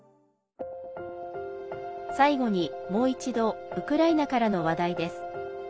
最後に、もう一度ウクライナからの話題です。